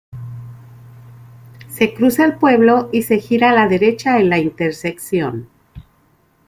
Se cruza el pueblo y se gira a la derecha en la intersección.